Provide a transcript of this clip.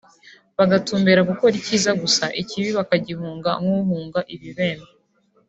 bagatumbera gukora icyiza gusa ikibi bakagihunga nk’uhunga ibibembe